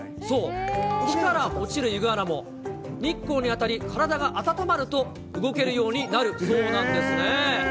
そう、木から落ちるイグアナも、日光に当たり、体が温まると、動けるようになるそうなんですね。